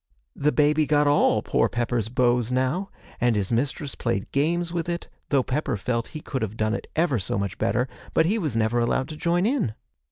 The baby got all poor Pepper's bows now; and his mistress played games with it, though Pepper felt he could have done it ever so much better, but he was never allowed to join in.